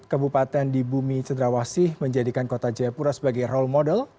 kabupaten di bumi cenderawasih menjadikan kota jayapura sebagai role model